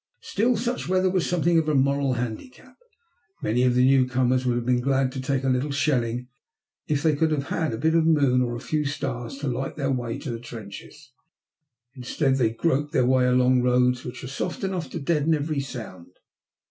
Still, such weather was something of a moral handicap. Many of the newcomers would have been glad to take a little shelling if they could have had a bit of a moon or a few stars to light their way to the trenches. Instead they groped their way along roads which were soft enough to deaden every sound.